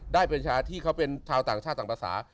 ได้เป็นชาที่เขาเป็นชาวต่างชาติต่างภาษา